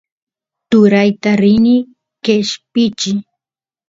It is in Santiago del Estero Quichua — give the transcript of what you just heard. turayta rini qeshpichiy